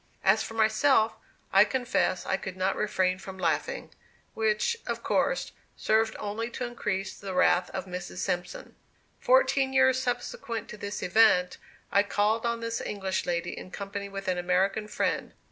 As for myself, I confess I could not refrain from laughing, which, of course, served only to increase the wrath of Mrs. Simpson. Fourteen years subsequent to this event, I called on this English lady in company with an American friend.